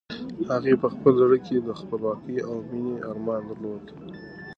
هغې په خپل زړه کې د خپلواکۍ او مېنې ارمان درلود.